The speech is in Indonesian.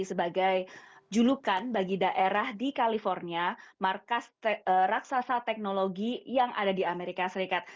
sebagai julukan bagi daerah di california markas raksasa teknologi yang ada di amerika serikat